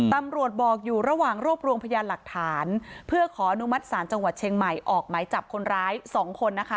ตำรวจบอกอยู่ระหว่างรวบรวมพยานหลักฐานเพื่อขออนุมัติศาลจังหวัดเชียงใหม่ออกหมายจับคนร้ายสองคนนะคะ